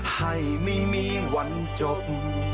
ให้ไม่มีวันจบ